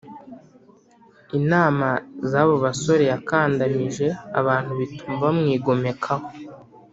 Inama z abo basore yakandamije abantu bituma bamwigomekaho